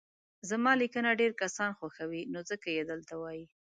زما ليکنه ډير کسان خوښوي نو ځکه يي دلته وايي